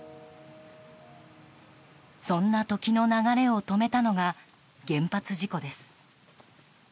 そんな時の流れを止めたのが原発事故です。